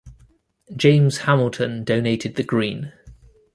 James Hamilton donated the Green.